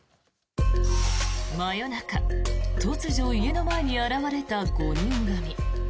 真夜中、突如家の前に現れた５人組。